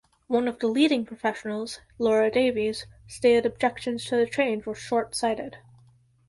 One of the leading professionals, Laura Davies, stated objections to the change were shortsighted.